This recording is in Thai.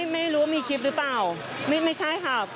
ไม่รู้ว่ามีคลิปหรือเปล่าไม่ใช่ค่ะ